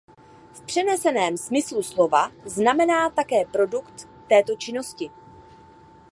V přeneseném smyslu slova znamená také produkt této činnosti.